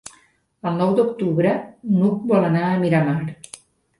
El nou d'octubre n'Hug vol anar a Miramar.